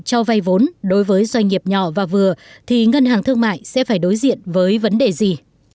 cho vay vốn đối với doanh nghiệp nhỏ và vừa thì ngân hàng thương mại sẽ phải đối diện với vấn đề gì